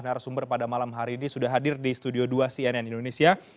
narasumber pada malam hari ini sudah hadir di studio dua cnn indonesia